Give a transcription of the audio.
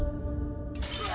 うわ！